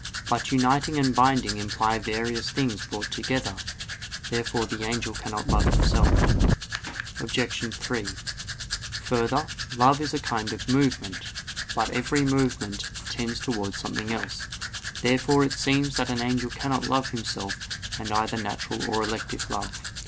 But uniting and binding imply various things brought together. Therefore the angel cannot love himself. Obj. 3: Further, love is a kind of movement. But every movement tends towards something else. Therefore it seems that an angel cannot love himself with either natural or elective love.